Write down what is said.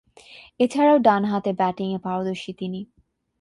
এছাড়াও ডানহাতে ব্যাটিংয়ে পারদর্শী তিনি।